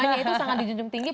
itu sangat dijunjung tinggi